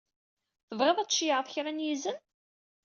Tebɣiḍ ad tceyyɛeḍ kra n yizen?